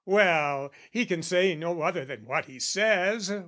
"Well, he can say no other than what he says.